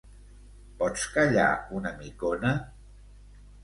Pots callar una micona?